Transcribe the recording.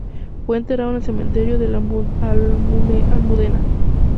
Fue enterrado en el Cementerio de La Almudena.